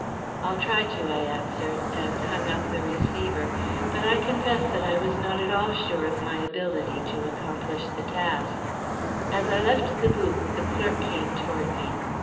"I'll try to," I answered him, and hung up the receiver; but I confess that I was not at all sure of my ability to accomplish the task. As I left the booth, the clerk came toward me.